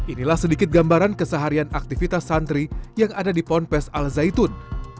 inilah sedikit gambaran keseharian aktivitas santri yang ada di ponpes al zaitun